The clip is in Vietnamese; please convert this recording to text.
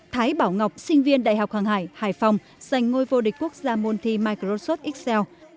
thái bảo ngọc sinh viên đại học hàng hải hải phòng giành ngôi vô địch quốc gia môn thi microsoft xéo